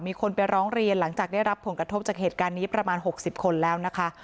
มีคนไปร้องเรียนหลังจากได้รับผลกระทบจากเหตุการณ์นี้ประมาณ๖๐คนแล้วนะคะ